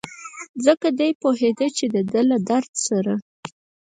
ځکه دی پوهېده چې دده له درد سره.